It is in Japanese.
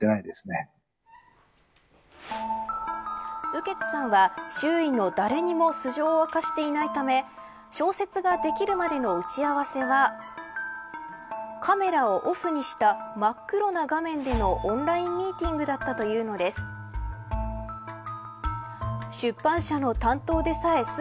雨穴さんは周囲の誰にも素性を明かしていないため小説ができるまでの打ち合わせはカメラをオフにした真っ黒な画面でのオンラインミーティングだったというのです。